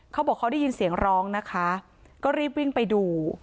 เขาบอกเขาได้ยินเสียงร้องนะคะก็รีบวิ่งไปดู